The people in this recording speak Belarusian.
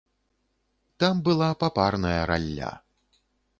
Там была папарная ралля.